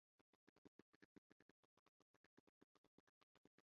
nzi ko utitaye kumafaranga